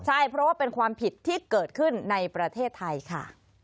ใช่เพราะว่าเป็นความผิดที่เกิดขึ้นในประเทศไทยค่ะ